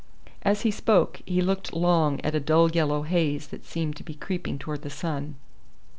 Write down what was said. As he spoke he looked long at a dull yellow haze that seemed to be creeping towards the sun.